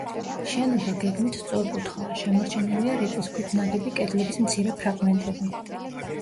შენობა გეგმით სწორკუთხაა, შემორჩენილია რიყის ქვით ნაგები კედლების მცირე ფრაგმენტები.